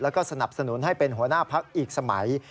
แล้วก็สนับสนุนให้เป็นหัวหน้าพักอีกสมัย